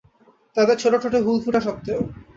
তাদের ছোট ঠোঁটে হুল ফোটা সত্বেও।